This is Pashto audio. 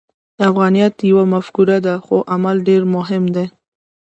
افغانیت یوه مفکوره ده، خو عمل ډېر مهم دی.